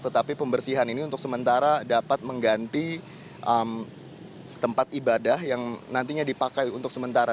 tetapi pembersihan ini untuk sementara dapat mengganti tempat ibadah yang nantinya dipakai untuk sementara